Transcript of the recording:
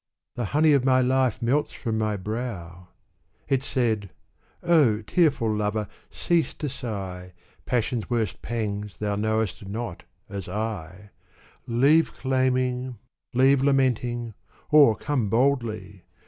The honey of my life melts from my brow !" It said, '' Oh, tearful Lover I cease to sigh, Passion's worst pangs thou knowest not, as I : Leave claiming, leave lamenting, or come boldly